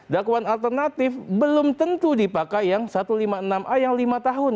dakwaan alternatif belum tentu dipakai yang satu ratus lima puluh enam a yang lima tahun